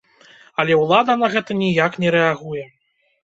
Але ўлада на гэта ніяк не рэагуе.